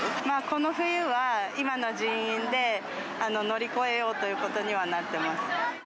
この冬は、今の人員で乗り越えようということにはなってます。